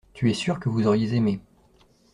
Tu es sûr que vous auriez aimé.